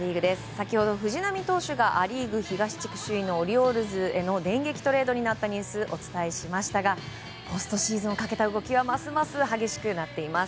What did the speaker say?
先ほど藤浪投手がア・リーグ東地区首位のオリオールズへの電撃トレードになったニュースお伝えしましたがポストシーズンをかけた動きはますます激しくなっています。